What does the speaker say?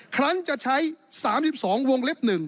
ครั้งจะใช้๓๒วงเล็บ๑